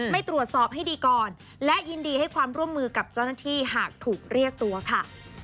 ไม่ตรวจสอบให้ดีก่อนและยินดีให้ความร่วมมือกับเจ้าหน้าที่หากถูกเรียกตัวค่ะ